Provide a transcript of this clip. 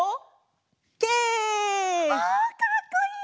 わかっこいい！